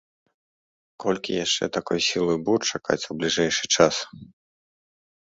Колькі яшчэ такой сілы бур чакаць у бліжэйшы час?